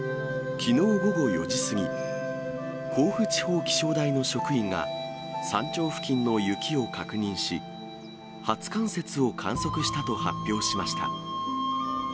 きのう午後４時過ぎ、甲府地方気象台の職員が、山頂付近の雪を確認し、初冠雪を観測したと発表しました。